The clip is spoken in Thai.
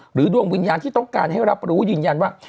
ดวงวิญญาณที่ต้องการให้รับรู้ยืนยันว่า